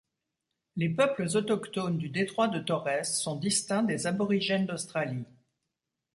Les peuples autochtones du détroit de Torrès sont distincts des Aborigènes d'Australie.